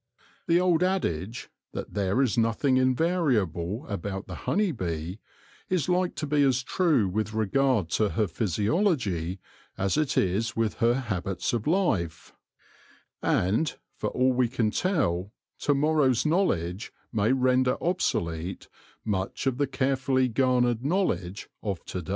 The old adage, that there is nothing invariable about the honey bee, is like to be as true with regard to her physiology as it is with her habits of life ; and, for all we can tell, to morrow's knowledge may render obsolete much of the carefully garnered knowledge of to day.